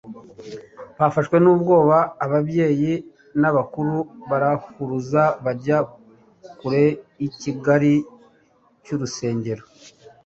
Bafashwe n'ubwoba, abatambyi n'abakuru barahuruze bajya kure y'igikari cy'urusengero;